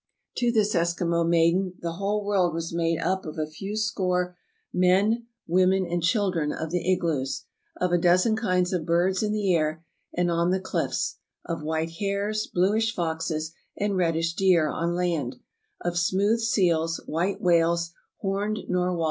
To this Eskimo maiden the whole world was made up of a few score men, women, and children of the ig loos, of a dozen kinds of birds in the air, and on the cliffs; of white hares, bluish foxes, and reddish deer on land; of smooth seals, white whales, horned narwhals.